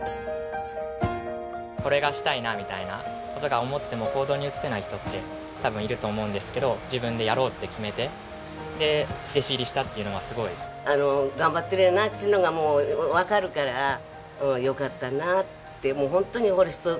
これがしたいなみたいな事を思っても行動に移せない人って多分いると思うんですけど自分でやろうって決めてで弟子入りしたっていうのはすごい。頑張ってるなっていうのがもうわかるからよかったなってもうホントにその一言です。